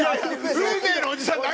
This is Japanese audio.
「運命のおじさん」って何？